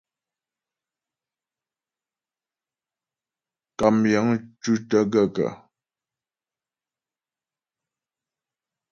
Kàm yəŋ tútə́ gaə̂kə̀ ?